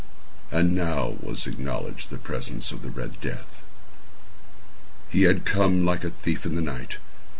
And now was acknowledged the presence of the Red Death. He had come like a thief in the night.